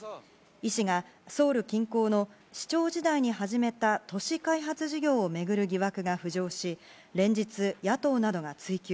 イ氏がソウル近郊の市長時代に始めた都市開発事業を巡る疑惑が浮上し連日、野党などが追及。